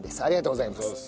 ありがとうございます。